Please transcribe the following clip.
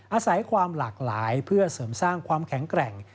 อาศัยความหลากหลายเพื่อเสริมสร้างความแข็งแกร่ง